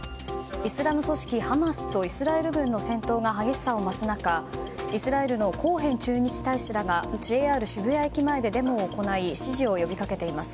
イスラム組織ハマスとイスラエル軍の戦闘が激しさを増す中イスラエルのコーヘン駐日大使らがＪＲ渋谷駅前でデモを行い支持を呼びかけています。